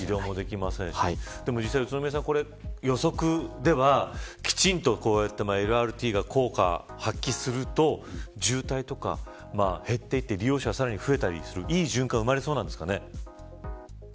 でも実際、宇都宮さん予測ではきちんとＬＲＴが効果を発揮すると渋滞とか減っていって利用者が増えたりするいい循環が生まれそうですか。